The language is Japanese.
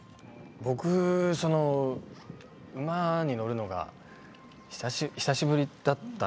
僕、馬に乗るのが久しぶりだった。